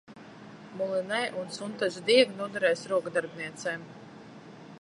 Mulinē un sutaža diegi noderēs rokdarbniecēm.